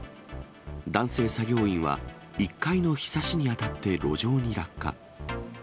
男性作業員は、１階のひさしに当たって路上に落下。